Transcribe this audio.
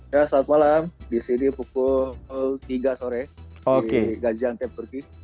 ya selamat malam disini pukul tiga sore di gajang tepurki